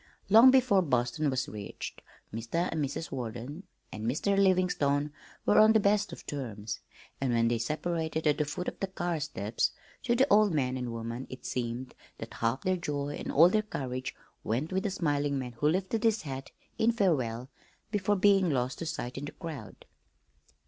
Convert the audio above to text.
Long before Boston was reached Mr. and Mrs. Warden and "Mr. Livingstone" were on the best of terms, and when they separated at the foot of the car steps, to the old man and woman it seemed that half their joy and all their courage went with the smiling man who lifted his hat in farewell before being lost to sight in the crowd.